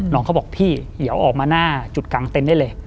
น้องเขาบอกพี่เดี๋ยวออกมาหน้าจุดกังเต้นได้เลย